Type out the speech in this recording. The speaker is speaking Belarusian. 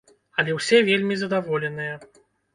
Але ўсе вельмі задаволеныя.